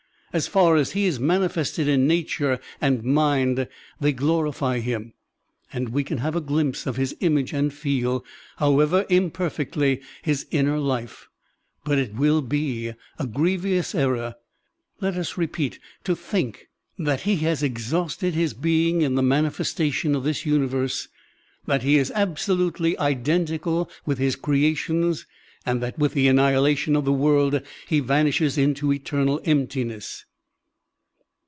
As far as he is manifested in nature and mind, they glorify him, and we can have a glimpse of his image and feel, however imperfectly, his inner life. But it will be a grievous error, Digitized by Google 30 SERMONS OF A BUDDHIST ABBOT let US rq)eat, to think that he has exhausted his being in the manifestation of this universe, that he is absolutely identical with his creations, and that with the annihilation of the world he vanishes into eternal emptiness.